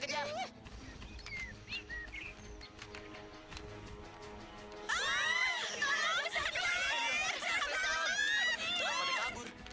kenapa dia kabur